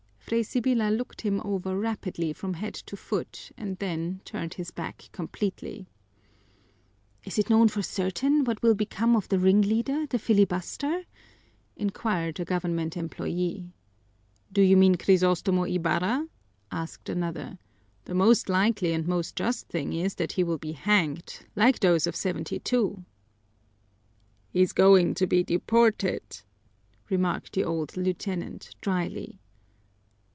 Fray Sibyla looked him over rapidly from head to foot and then turned his back completely. "Is it known for certain what will become of the ringleader, the filibuster?" inquired a government employee. "Do you mean Crisostomo Ibarra?" asked another. "The most likely and most just thing is that he will be hanged, like those of '72." "He's going to be deported," remarked the old lieutenant, dryly.